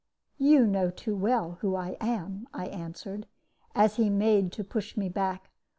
"'You know too well who I am,' I answered, as he made to push me back.